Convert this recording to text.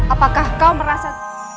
apakah kau merasa